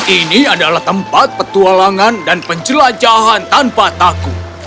ini adalah tempat petualangan dan penjelajahan tanpa takut